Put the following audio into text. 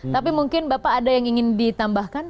tapi mungkin bapak ada yang ingin ditambahkan